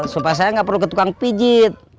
supaya saya nggak perlu ke tukang pijit